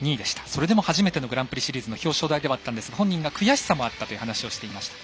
それでも初めてのグランプリシリーズの表彰台ではあったんですが本人は悔しさもあったという話をしていました。